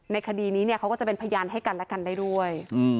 คดีนี้เขาก็จะเป็นพยานให้กันและกันได้ด้วย